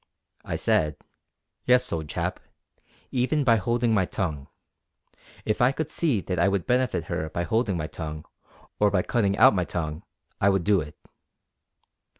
I said: "Yes, old chap, even by holding my tongue. If I could see that I would benefit her by holding my tongue, or by cutting out my tongue, I would do it.